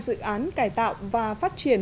dự án cải tạo và phát triển